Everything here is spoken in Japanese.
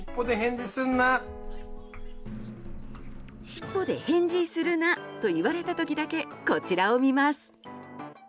尻尾で返事するなと言われた時だけこちらを見ます。